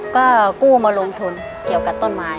ก็กู้มาลงทุนเกี่ยวกับต้นไม้